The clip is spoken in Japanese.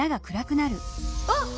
あっ！